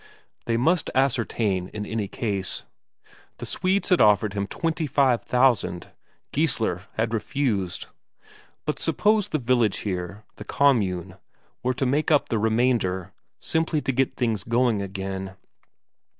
They must ascertain in any case. The Swedes had offered him twenty five thousand Geissler had refused. But suppose the village here, the commune, were to make up the remainder, simply to get things going again?